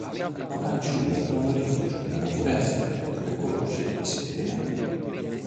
La fanciulla trova rifugio nella foresta dove conosce i sette nani.